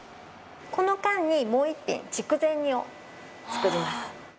この間にもう１品、筑前煮を作ります。